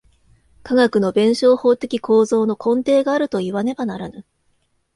科学の弁証法的構造の根底があるといわねばならぬ。